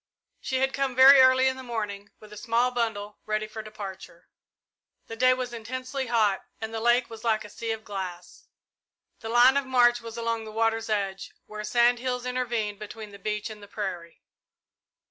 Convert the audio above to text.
She had come very early in the morning, with a small bundle, ready for departure. The day was intensely hot, and the lake was like a sea of glass. The line of march was along the water's edge, where sand hills intervened between the beach and the prairie.